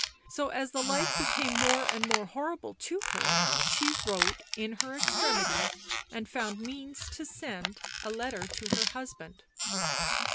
So, as the life became more and more horrible to her, she wrote, in her extremity, and found means to send, a letter to her husband."